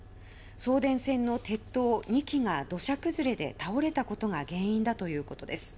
送電線の鉄塔２基が土砂崩れで倒れたことが原因だということです。